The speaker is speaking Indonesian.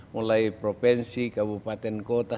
mulai provinsi kabupaten kota